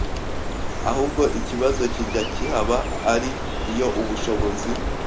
ahubwo ikibazo kijya kihaba ari iyo ubushobozi